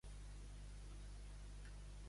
Pertany al moviment independentista la Caty?